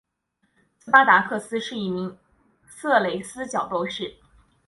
斯巴达克斯是一名色雷斯角斗士。